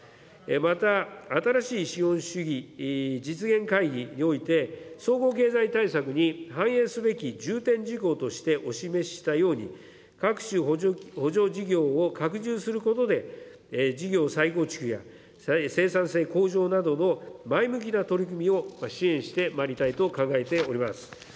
また、新しい資本主義実現会議において、総合経済対策に反映すべき重点事項としてお示ししたように、各種補助事業を拡充することで、事業再構築や、生産性向上などの前向きな取り組みを支援してまいりたいと考えております。